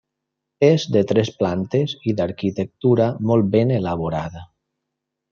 És de tres plantes i d'arquitectura molt ben elaborada.